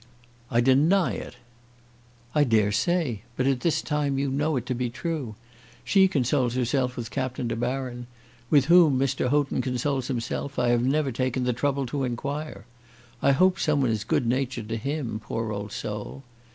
"I deny it." "I daresay; but at the same time you know it to be true. She consoles herself with Captain De Baron. With whom Mr. Houghton consoles himself I have never taken the trouble to enquire. I hope someone is good natured to him, poor old soul.